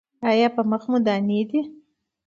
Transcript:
ایا په مخ مو دانې دي؟